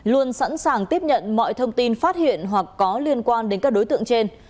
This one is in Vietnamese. luôn sẵn sàng tiếp nhận mọi thông tin phát hiện hoặc có liên quan đến các đối tượng trên